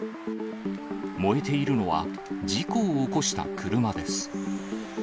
燃えているのは、事故を起こした車です。